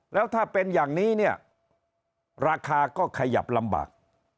แล้วถ้าเป็นอย่างนี้เนี่ยราคาก็ขยับลำบาก